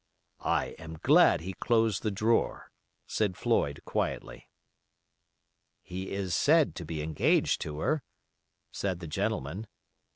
"I am glad he closed the drawer," said Floyd, quietly. "He is said to be engaged to her," said the gentleman.